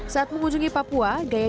saat mengunjungi papua gaya